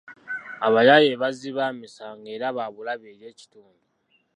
Abayaaye bazzi ba misango era ba bulabe eri ekitundu.